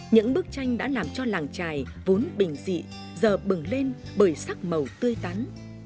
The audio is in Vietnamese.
những bức tranh đã làm cho làng trài vốn bình dị giờ bừng lên bởi sắc màu tươi tắn